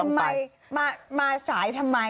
ทำไมมาสายทำไม